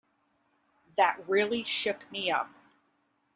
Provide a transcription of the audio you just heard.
That really shook me up.